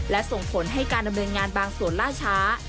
และส่งผลให้การดำเนินงานบางส่วนล่าช้า